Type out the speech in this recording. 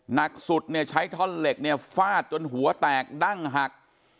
หนักสุดเนี่ยใช้ท่อนเหล็กเนี่ยฟาดจนหัวแตกดั้งหัก